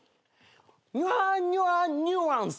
「ニュアンニュアンニュアンス」